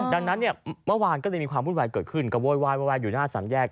ดังนั้นเนี่ยเมื่อวานก็เลยมีความวุ่นวายเกิดขึ้นก็โวยวายอยู่หน้าสามแยก